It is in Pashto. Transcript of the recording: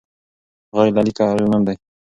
غږ له لیکه اغېزمن دی.